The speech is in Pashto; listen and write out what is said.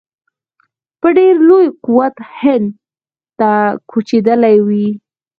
په ډېر لوی قوت هند ته کوچېدلي وي.